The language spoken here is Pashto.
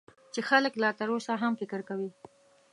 چې خلک لا تر اوسه هم فکر کوي .